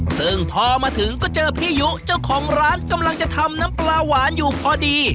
ซึ่งพอมาถึงก็เจอพี่ยุเจ้าของร้านกำลังจะทำน้ำปลาหวานอยู่พอดี